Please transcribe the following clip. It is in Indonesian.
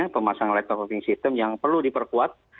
pemasang alat proteksi sistem yang perlu diperkuat